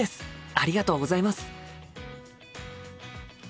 ありがとうございます！